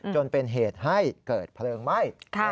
จนเป็นเหตุให้เกิดเพลิงไหม้